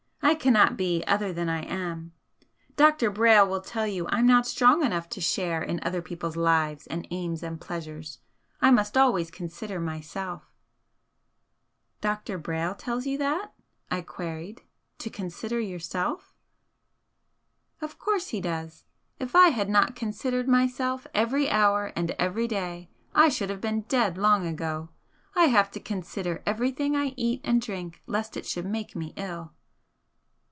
I cannot be other than I am, Dr. Brayle will tell you that I'm not strong enough to share in other people's lives and aims and pleasures, I must always consider myself." "Dr. Brayle tells you that?" I queried "To consider yourself?" "Of course he does. If I had not considered myself every hour and every day, I should have been dead long ago. I have to consider everything I eat and drink lest it should make me ill."